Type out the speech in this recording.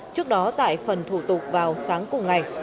trước đó tại phần thủ tục vào sáng cùng ngày